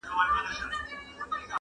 بېشکه ټولې سختې پکښې نجونو ته ليکلي